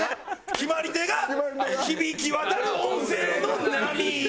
決まり手が響き渡る音声の波。